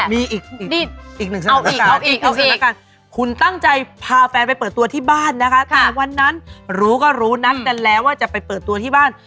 มีอีกหนึ่งคุณตั้งใจพาแฟนไปเปิดตัวที่บ้านนะคะแต่วันนั้นรู้ก็รู้นัดกันแล้วว่าจะไปเปิดตัวที่บ้าน